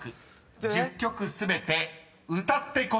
１０曲全て歌って答えろ］